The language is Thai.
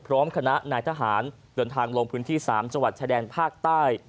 พร้อมคณะนายทหารเดินทางลงพื้นที่๓จังหวัดชายแดนภาคใต้